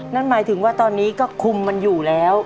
นั่นหมายถึงว่าตอนนี้ก็คุมมันอยู่แล้ว